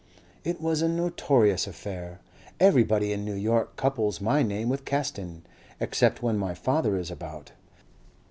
It was a notorious affair. Everybody in New York couples my name with Caston. Except when my father is about.